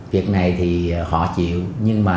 việc này thì họ chịu nhưng mà